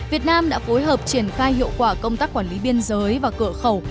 việt nam đã phối hợp triển khai hiệu quả công tác quản lý biên giới và cửa khẩu